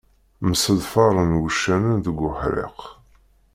Mseḍfaren wuccanen deg uḥriq.